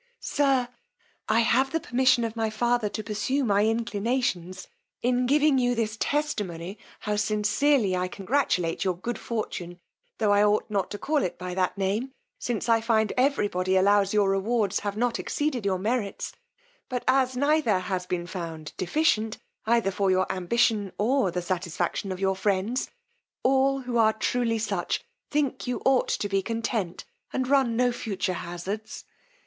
SIR, "I have the permission of my father to pursue my inclinations, in giving you this testimony how sincerely I congratulate your good fortune; tho' I ought not to call it by that name, since I find every body allows your rewards have not exceeded your merits; but as neither has been found deficient either for your ambition or the satisfaction of your friends, all who are truly such think you ought to be content, and run no future hazards.